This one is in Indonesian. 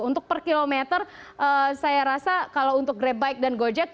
untuk per kilometer saya rasa kalau untuk grabbike dan gojek